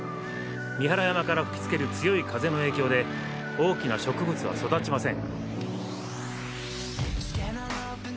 三原山から吹きつける強い風の影響で大きな植物は育ちません。